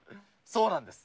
そうなんです。